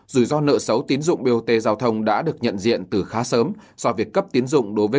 rủi ro nợ xấu tiến dụng bot giao thông đã được nhận diện từ khá sớm do việc cấp tiến dụng đối với